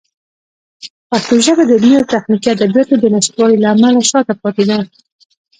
پښتو ژبه د علمي او تخنیکي ادبیاتو د نشتوالي له امله شاته پاتې ده.